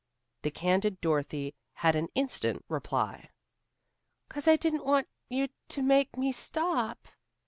The candid Dorothy had an instant reply. "'Cause I didn't want you to make me stop."